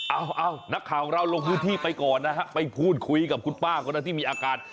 เอานักข่าวของเราลงพื้นที่ไปก่อนนะฮะไปพูดคุยกับคุณป้าคนนั้นที่มีอาการ